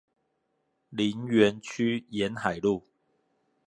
林園區沿海路